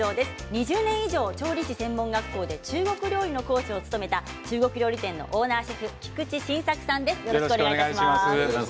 ２０年以上調理師専門学校で中国料理の講師を務めた中国料理店オーナーシェフ菊池晋作さんです。